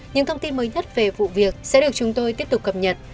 những thông tin mới nhất về vụ việc sẽ được chúng tôi tiếp tục cập nhật